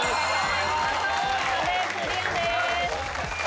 見事壁クリアです。